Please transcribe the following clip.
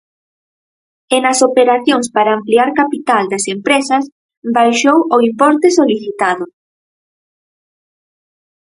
E nas operacións para ampliar capital das empresas, baixou o importe solicitado.